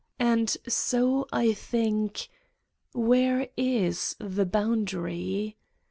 And so I think: where is the boundary?